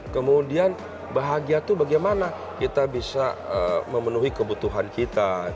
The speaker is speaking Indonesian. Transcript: kemudian bahagia itu bagaimana kita bisa memenuhi kebutuhan kita